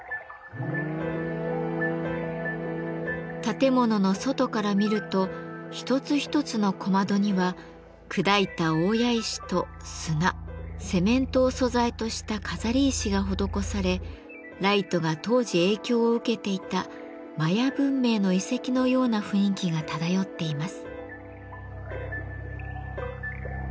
建物の外から見ると一つ一つの小窓には砕いた大谷石と砂セメントを素材とした飾り石が施されライトが当時影響を受けていたマヤ文明の遺跡のような雰囲気が漂っています。